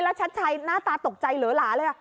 แล้วชัดชัยหน้าตาตกใจเหลือหลาเลย